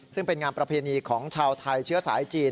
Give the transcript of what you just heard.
ซึ่งเป็นงานประเพณีของชาวไทยเชื้อสายจีน